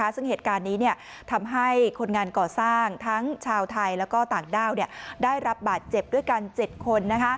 ซึ่งเหตุการณ์นี้ทำให้คนงานก่อสร้างทั้งชาวไทยแล้วก็ต่างด้าวได้รับบาดเจ็บด้วยกัน๗คน